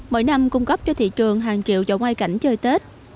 mỗi năm cung cấp cho thị trường hàng triệu chỗ ngoài cảnh chơi tết